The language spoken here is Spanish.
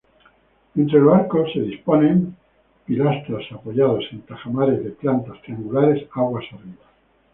Entre los arcos se disponen pilastras apoyados en tajamares de plantas triangulares aguas arriba.